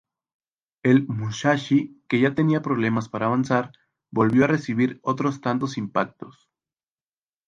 El "Musashi", que ya tenía problemas para avanzar, volvió a recibir otros tantos impactos.